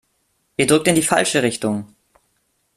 Ihr drückt in die falsche Richtung!